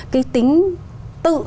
cái tính tự